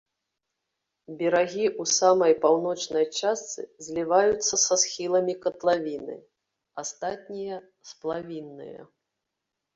Берагі ў самай паўночнай частцы зліваюцца са схіламі катлавіны, астатнія сплавінныя.